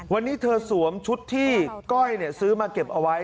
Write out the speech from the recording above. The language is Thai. วันนี้เธอสวมชุดที่ก้อยซื้อมาเก็บเอาไว้